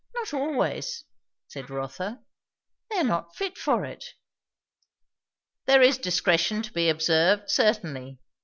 Not always," said Rotha. "They are not fit for it." "There is discretion to be observed, certainly.